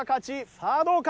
さあどうか？